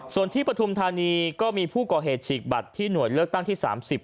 ส่วนที่ปฐุมธานีก็มีผู้ก่อเหตุฉีกบัตรที่หน่วยเลือกตั้งที่๓๐